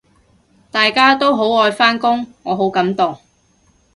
大家都好愛返工，我好感動